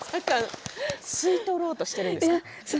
吸い取ろうとしているんですか？